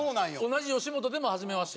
同じ吉本でもはじめまして。